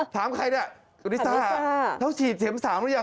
ถามใครนี่ลิซ่าเขาฉีดเสียงสามแล้วอย่าง